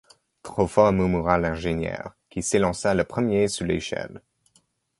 Trop fort murmura l’ingénieur, qui s’élança le premier sur l’échelle